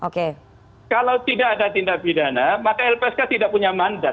kalau tidak ada tindak pidana maka lpsk tidak punya mandat